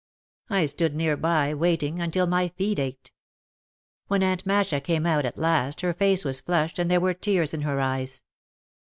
I stood nearby waiting, until my feet ached. When Aunt Masha came out at last her face was flushed and there were tears in her eyes.